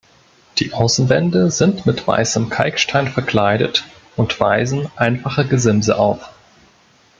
Die Außenwände sind mit weißem Kalkstein verkleidet und weisen einfache Gesimse auf.